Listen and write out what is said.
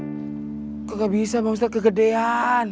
tidak ada yang tidak bisa kalau ada kemauan